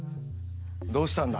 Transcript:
どうしたんだ。